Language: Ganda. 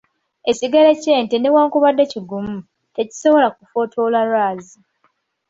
Ekigere ky'ente newankubadde kigumu, tekisobola kufootola lwazi.